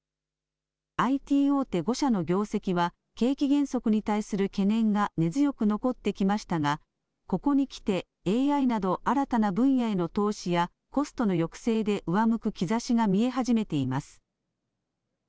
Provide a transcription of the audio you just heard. ＩＴ大手５社の業績は景気減速に対する懸念が根強く残ってきましたがここにきてＡＩなど新たな分野への投資やコストの抑制で上向く兆しが見え始めています。